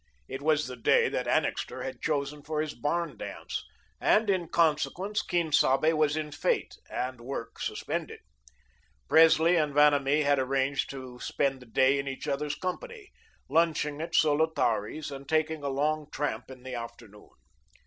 It was the day that Annixter had chosen for his barn dance and, in consequence, Quien Sabe was in fete and work suspended. Presley and Vanamee had arranged to spend the day in each other's company, lunching at Solotari's and taking a long tramp in the afternoon.